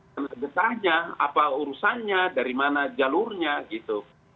kenal gesahnya apa urusannya dari mana jalurnya gitu